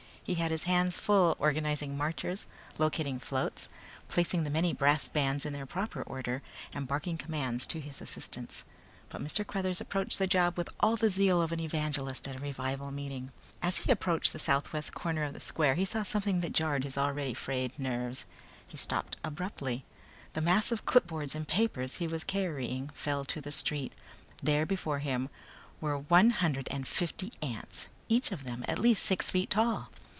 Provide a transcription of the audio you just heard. He had his hands full organizing marchers, locating floats, placing the many brass bands in their proper order and barking commands to assistants. But Mr. Cruthers approached the job with all the zeal of an evangelist at a revival meeting. As he approached the south west corner of the square he saw something that jarred his already frayed nerves. He stopped abruptly. The mass of clipboards and papers he was carrying fell to the street. There before him were one hundred and fifty ants, each of them at least six feet tall.